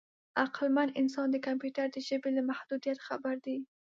عقلمن انسان د کمپیوټر د ژبې له محدودیت خبر دی.